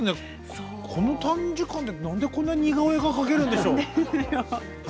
この短時間でこんな似顔絵が描けるんでしょう。